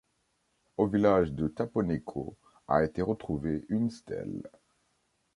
Au village de Taponecco a été retrouvée une stèle.